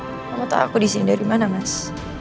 kamu tahu aku di sini dari mana mas